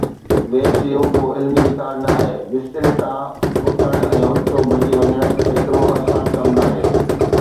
ويس، اهو ڪو علمي رڪارڊ نه آهي، بستري تان اٿڻ ۽ اوچتو ڀڄي وڃڻ ايترو آسان ڪم ناهي.